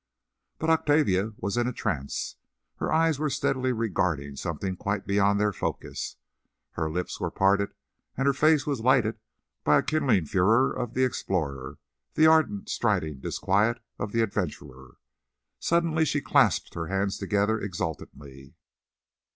But Octavia was in a trance. Her eyes were steadily regarding something quite beyond their focus. Her lips were parted, and her face was lighted by the kindling furor of the explorer, the ardent, stirring disquiet of the adventurer. Suddenly she clasped her hands together exultantly.